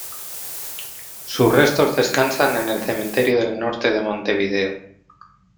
Sus restos descansan en el Cementerio del Norte de Montevideo.